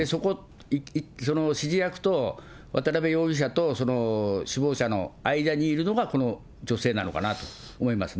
その指示役と渡辺容疑者と、その首謀者の間にいるのが、この女性なのかなと思いますね。